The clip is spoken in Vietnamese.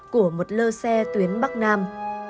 của một lơ xe tuyến bắc nam